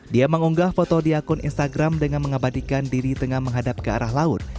dia mengunggah foto di akun instagram dengan mengabadikan diri tengah menghadap ke arah laut